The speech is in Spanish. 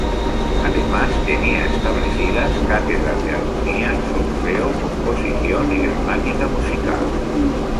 Además, tenía establecidas cátedras de harmonía, solfeo, composición y gramática musical.